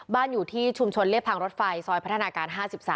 อยู่ที่ชุมชนเรียบทางรถไฟซอยพัฒนาการ๕๓